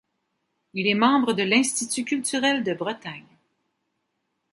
Il est membre de l'Institut culturel de Bretagne.